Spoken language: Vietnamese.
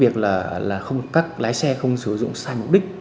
các lái xe không sử dụng sai mục đích